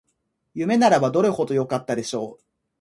夢ならばどれほどよかったでしょう